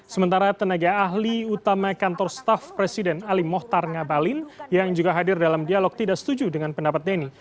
sementara tenaga ahli utama kantor staff presiden ali mohtar ngabalin yang juga hadir dalam dialog tidak setuju dengan pendapat denny